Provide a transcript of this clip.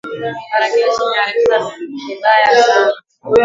Tarakilishi imeharibika vibaya sana